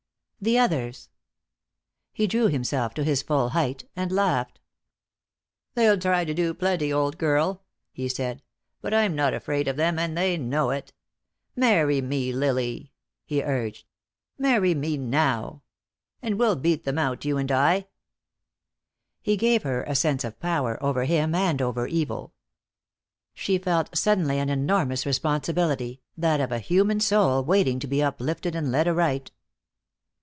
"The others." He drew himself to his full height, and laughed. "They'll try to do plenty, old girl," he said, "but I'm not afraid of them, and they know it. Marry me, Lily," he urged. "Marry me now. And we'll beat them out, you and I." He gave her a sense of power, over him and over evil. She felt suddenly an enormous responsibility, that of a human soul waiting to be uplifted and led aright.